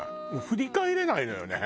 振り返れないのよね。